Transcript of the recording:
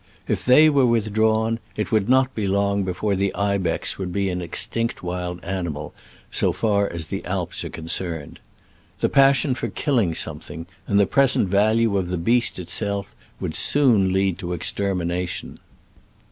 If they were withdrawn, it would not be long before the ibex would be an extinct wild animal, so far as the Alps are concerned. The passion for killing something, and the present value of the beast itself, would soon lead to its extermination.